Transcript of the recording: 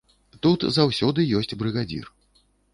Тут заўсёды ёсць брыгадзір.